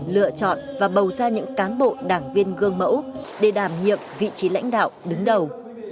lựa chọn và bầu ra những cán bộ đảng viên gương mẫu để đảm nhiệm vị trí lãnh đạo đứng đầu